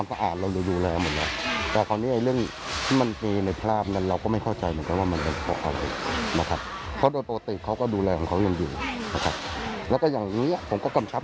ก็จะดูแลความสะอาดกว่าได้ไหมครับ